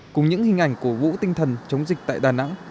cùng những hình ảnh cổ vũ tinh thần chống dịch tại đà nẵng